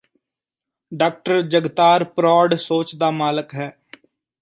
ਡਾ ਜਗਤਾਰ ਪਰੌੜ੍ਹ ਸੋਚ ਦਾ ਮਾਲਕ ਹੈ